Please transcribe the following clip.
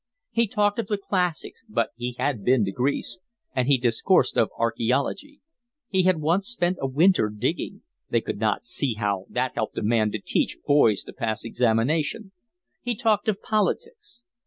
He talked of the classics, but he had been to Greece, and he discoursed of archaeology; he had once spent a winter digging; they could not see how that helped a man to teach boys to pass examinations, He talked of politics.